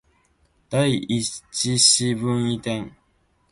第一四分位点